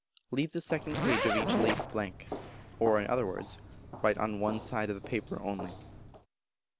Leave the second page of each leaf blank; or, in other words, write on one side of the paper only.